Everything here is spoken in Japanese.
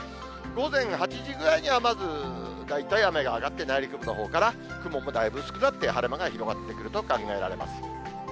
午前８時ぐらいにはまず大体雨が上がって、内陸部のほうから雲もだいぶ薄くなって、晴れ間が広がってくると考えられます。